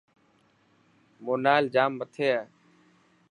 مونال ڄام مٿي هي.